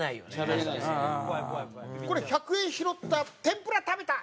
これ１００円拾った天ぷら食べた！